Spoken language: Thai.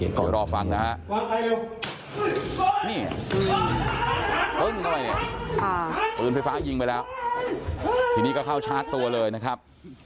เชิญเปรื้อไฟฟ้ายิงไปแล้วที่นี่ก็เข้าชาร์จตัวเลยนะครับ